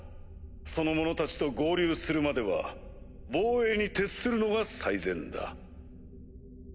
その者たちと合流するまでは防衛に徹するのが最善だ。